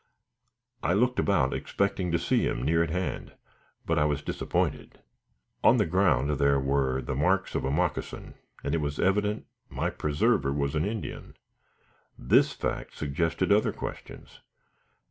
I looked about expecting to see him near at hand, but I was disappointed. On the ground were the marks of a moccasin, and it was evident my preserver was an Indian. This fact suggested other questions.